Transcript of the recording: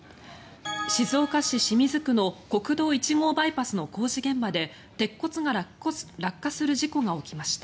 静岡市清水区の国道１号バイパスの工事現場で鉄骨が落下する事故が起きました。